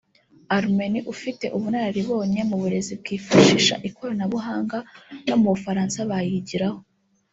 Armenié ifite ubunanaribonye mu burezi bwifashisha ikoranabuhanga no mu Bufaransa bayigiraho